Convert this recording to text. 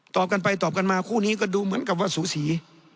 กันไปตอบกันมาคู่นี้ก็ดูเหมือนกับว่าสูสี